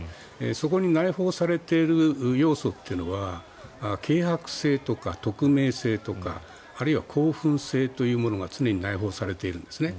そこに内包されている要素というのは軽薄性とか匿名性とかあるいは興奮性というものが常に内包されているんですね。